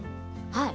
はい。